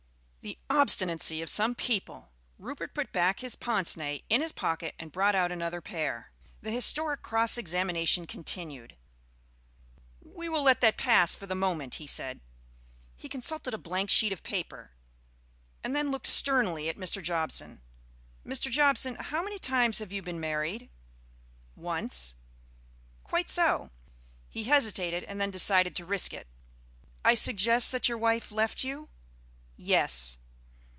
The obstinacy of some people! Rupert put back his pince nez in his pocket and brought out another pair. The historic cross examination continued. "We will let that pass for the moment," he said. He consulted a blank sheet of paper and then looked sternly at Mr. Jobson. "Mr. Jobson, how many times have you been married?" "Once." "Quite so." He hesitated and then decided to risk it. "I suggest that your wife left you?" "Yes."